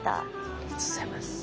ありがとうございます。